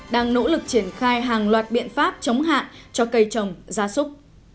đang nỗ lực triển khai hàng loạt biện pháp chống hạn cho cây trồng gia súc